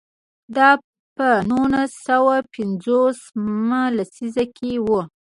دا په نولس سوه پنځوس مه لسیزه کې و.